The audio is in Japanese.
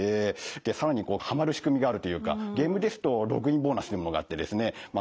更にはまる仕組みがあるというかゲームですとログインボーナスっていうものがあってですね